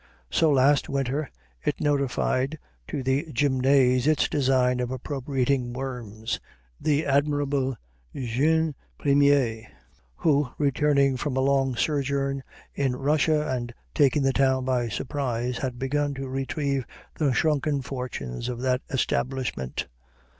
So, last winter, it notified to the Gymnase its design of appropriating Worms, the admirable jeune premier, who, returning from a long sojourn in Russia and taking the town by surprise, had begun to retrieve the shrunken fortunes of that establishment.